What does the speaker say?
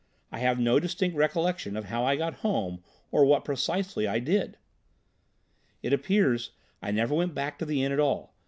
I have no distinct recollection of how I got home or what precisely I did. "It appears I never went back to the inn at all.